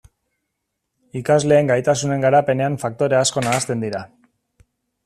Ikasleen gaitasunen garapenean faktore asko nahasten dira.